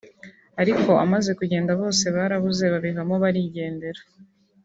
ariko amaze kugenda bose barabuze babivamo barigendera